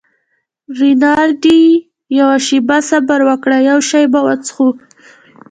رینالډي: یوه شیبه صبر وکړه، یو شی به وڅښو.